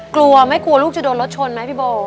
กลัวไม่กลัวลูกจะโดนรถชนไหมพี่โบ